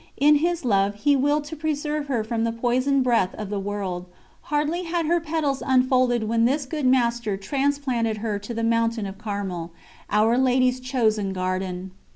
In His Love He willed to preserve her from the poisoned breath of the world hardly had her petals unfolded when this good Master transplanted her to the mountain of Carmel, Our Lady's chosen garden.